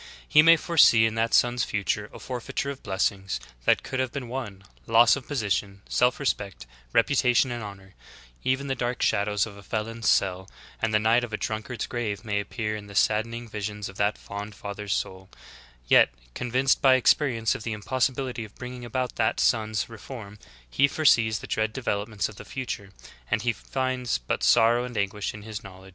He may foresee in that son's future a forfeiture of blessings that could have been won, loss of position, self respect reputa tion and honor ; even the dark shadows of a felon's cell and the night of a drunkard's grave may appear in the sadden ing visions of that fond father's soul ; yet, convinced by ex perience of the impossibility of bringing about that son's reform, he foresees the dread developments of the future, and he finds but sorrow and anguish in his knowledge.